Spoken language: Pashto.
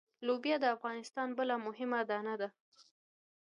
لوبیا د افغانستان بله مهمه دانه ده.